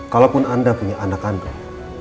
kalaupun anda punya anak anda